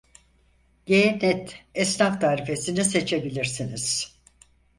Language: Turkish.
G net esnaf tarifesini seçebilirsiniz